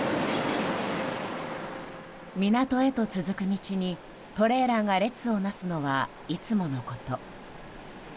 港へと続く道にトレーラーが列をなすのはいつものこと。